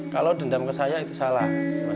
kalau dendam ke saya itu salah